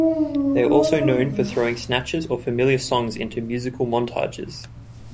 They are also known for throwing snatches of familiar songs into musical montages.